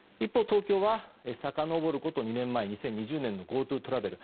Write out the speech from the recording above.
東京はさかのぼること２年前２０２０年のＧｏＴｏトラベル